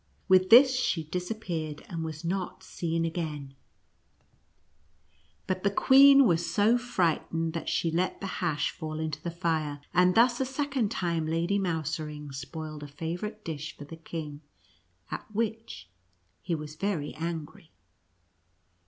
With this she disap peared, and was not seen again ; but the queen S 66 KUTCRApKER AND MOUSE KING. was so frightened that she let the liasli fall into the fire ; and thus a second time Lady Mouserings sjDoiled a favorite dish for the king, at which he was very angry.